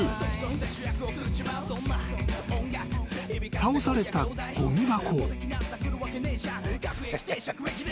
［倒されたごみ箱］